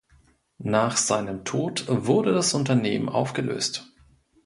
Nach seinem Tod wurde das Unternehmen aufgelöst.